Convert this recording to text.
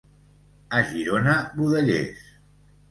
A Girona, budellers.